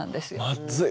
まっずい！